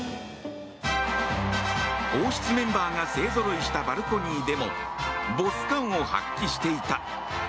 王室メンバーが勢ぞろいしたバルコニーでもボス感を発揮していた。